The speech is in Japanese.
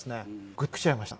ぐっときちゃいました。